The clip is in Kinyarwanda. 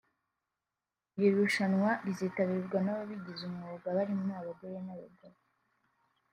Iri rushwana rizitabirwa n’ababigize umwuga barimo abagabo n’abagore